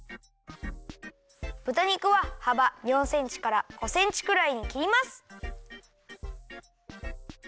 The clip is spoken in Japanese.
ぶた肉ははば４センチから５センチくらいにきります。